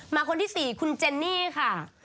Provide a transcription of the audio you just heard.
คนที่๔คุณเจนนี่ค่ะ